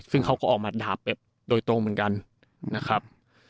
ซึ่งเขาก็ออกมาด่าแบบโดยตรงเหมือนกันนะครับ